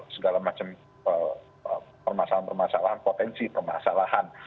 jadi kita harus mengidentifikasi segala macam permasalahan permasalahan potensi permasalahan